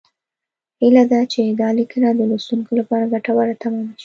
هیله ده چې دا لیکنه د لوستونکو لپاره ګټوره تمامه شي